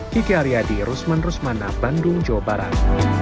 kiki aryadi rusman rusmana bandung jawa barat